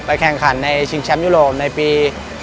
แข่งขันในชิงแชมป์ยุโรปในปี๒๕